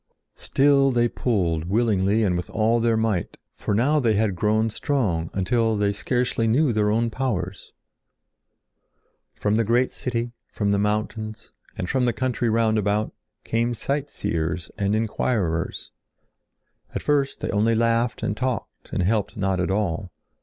Still they pulled willingly and with all their might, for now they had grown strong until they scarcely knew their own powers. From the great city, from the mountains, and from the country round about, came sightseers and inquirers. At first they only laughed and talked, and helped not at all.